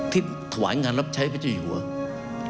ถวายงานรับใช้พระเจ้าอยู่หัว